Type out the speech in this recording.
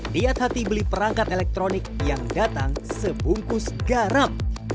niat hati beli perangkat elektronik yang datang sebungkus garam